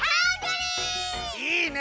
いいね。